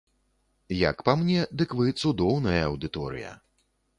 Як па мне, дык вы цудоўная аўдыторыя.